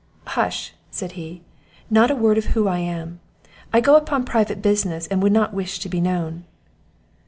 "Hush!" said he; "not a word of who I am; I go upon private business, and would not wish to be known."